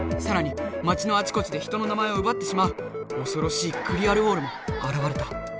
さらにまちのあちこちで人の名前をうばってしまうおそろしいクリアルウォールもあらわれた。